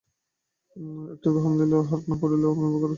আর একটি উদাহরণ লও দশদিন আহার না করিলে আমি কোনপ্রকার চিন্তা করিতে পারি না।